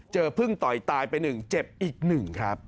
เจอพึ่งต่อยตายไป๑เจ็บอีก๑ครับ